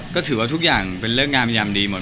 ก็ถือว่าทุกอย่างเป็นเรื่องงามยามดีหมด